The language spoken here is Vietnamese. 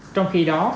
trong khi đó